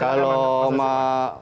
kalau memasuki pemilu pasangan